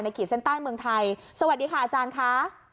ในละคริสันต้ายเมืองไทยสวัสดีค่ะอาจารย์ค่ะ